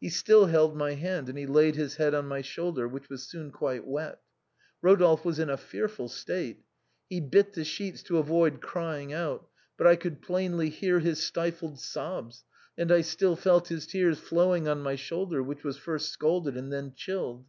He still held my hand and he laid his head on my shoulder, which was soon quite wet. Eodolphe was in a fearful state. He bit the sheets to avoid crying out, but I could plainly hear his stifled sobs and I still felt his tears flowing on my shoulder, which was first scalded and then chilled.